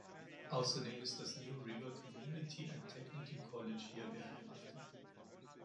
Außerdem ist das New River Community and Technical College hier beheimatet.